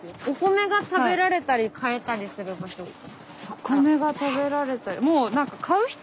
お米が食べられて。